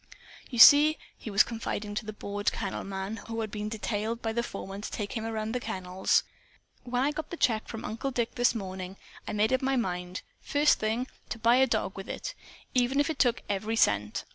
"You see," he was confiding to the bored kennel man who had been detailed by the foreman to take him around the kennels, "when I got the check from Uncle Dick this morning, I made up my mind, first thing, to buy a dog with it, even if it took every cent.